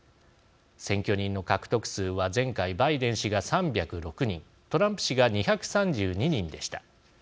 選挙人の獲得数は前回バイデン氏が３０６人トランプ氏が２３２人でした。